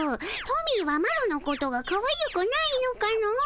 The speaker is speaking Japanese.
トミーはマロのことがかわゆくないのかの？